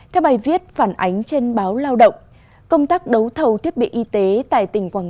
theo bài viết phản ánh trên báo lao động công tác đấu thầu thiết bị y tế tại tỉnh quảng